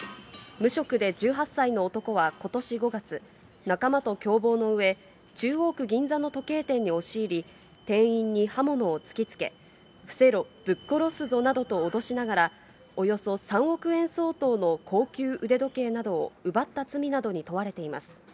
無職で１８歳の男はことし５月、仲間と共謀のうえ、中央区銀座の時計店に押し入り、店員に刃物を突きつけ、伏せろ、ぶっ殺すぞなどと脅しながら、およそ３億円相当の高級腕時計などを奪った罪などに問われています。